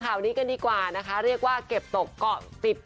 ข่าวนี้กันดีกว่านะคะเรียกว่าเก็บตกเกาะสิบ